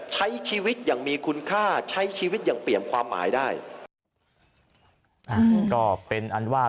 ใช้ชีวิตอย่างมีคุณค่าใช้ชีวิตอย่างเปลี่ยนความหมายได้